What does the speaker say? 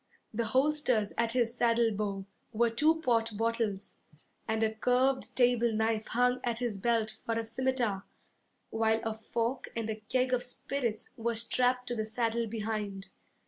The holsters at his saddle bow were two port bottles, And a curved table knife hung at his belt for a scimitar, While a fork and a keg of spirits were strapped to the saddle behind.